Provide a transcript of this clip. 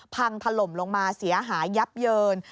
พังถล่มลงมาเสียหายยับเยิน